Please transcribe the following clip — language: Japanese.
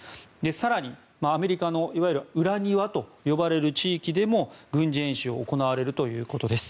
更に、アメリカのいわゆる裏庭と呼ばれる地域でも軍事演習が行われるということです。